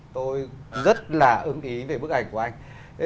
tôi rất là ưng ý về bức ảnh của anh